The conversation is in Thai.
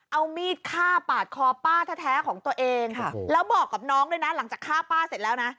เอามีดฆ่าปาดคอป้าแท้ของตัวเองค่ะแล้วบอกกับน้องด้วยนะหลังจากฆ่าป้าเสร็จแล้วนะ